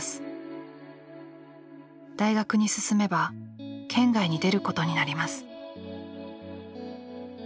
大学に進めば県外に出ることになります。